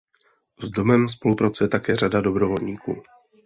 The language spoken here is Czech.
S domem spolupracuje také řada dobrovolníků.